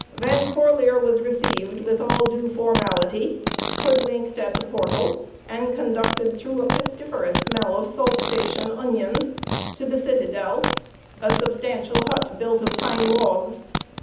Van Corlear was received with all due formality, hoodwinked at the portal, and conducted through a pestiferous smell of salt fish and onions to the citadel, a substantial hut built of pine logs.